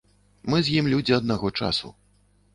Мы з ім людзі аднаго часу.